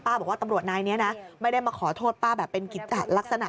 บอกว่าตำรวจนายนี้นะไม่ได้มาขอโทษป้าแบบเป็นกิจลักษณะ